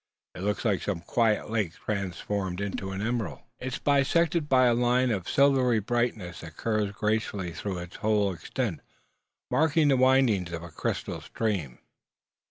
It looks like some quiet lake transformed into an emerald. It is bisected by a line of silvery brightness that curves gracefully through its whole extent, marking the windings of a crystal stream.